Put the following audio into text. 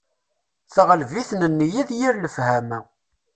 Teɣleb-iten nniya d yir lefhama.